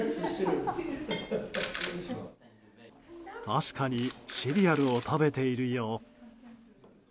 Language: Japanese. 確かにシリアルを食べているよう。